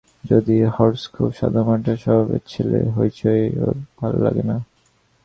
যদিও হর্ষ খুব সাদামাটা স্বভাবের ছেলে, হইচই ওর ভালো লাগে না।